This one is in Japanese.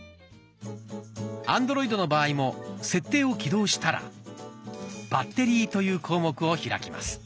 アンドロイドの場合も「設定」を起動したら「バッテリー」という項目を開きます。